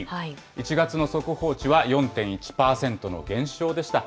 １月の速報値は４．１％の減少でした。